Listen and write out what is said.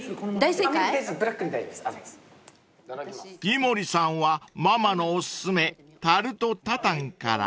［井森さんはママのお薦めタルト・タタンから］